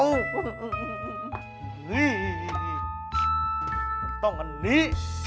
มันต้องอันนี้